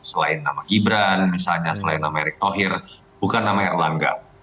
selain nama gibran misalnya selain nama erick thohir bukan nama erlangga